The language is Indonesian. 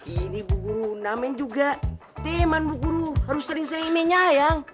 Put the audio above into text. ini bu guru namen juga teman bu guru harus sering sayang menyayang